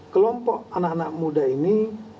kelompok anak anak muda ini